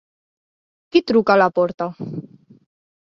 Qui truca a la porta?